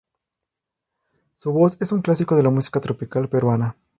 Su voz es un clásico de la música tropical peruana.